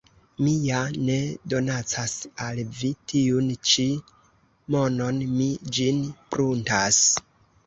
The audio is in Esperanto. Mi ja ne donacas al vi tiun ĉi monon, mi ĝin pruntas.